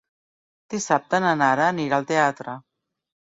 Dissabte na Nara anirà al teatre.